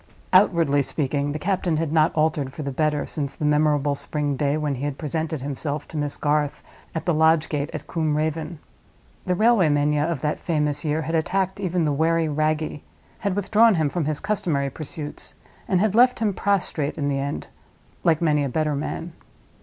Outwardly speaking, the captain had not altered for the better since the memorable spring day when he had presented himself to Miss Garth at the lodge gate at Combe Raven. The railway mania of that famous year had attacked even the wary Wragge; had withdrawn him from his customary pursuits; and had left him prostrate in the end, like many a better man.